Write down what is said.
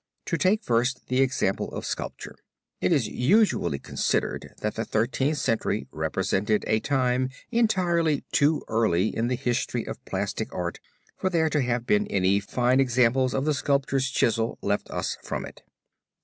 To take first the example of sculpture. It is usually considered that the Thirteenth Century represented a time entirely too early in the history of plastic art for there to have been any fine examples of the sculptor's chisel left us from it.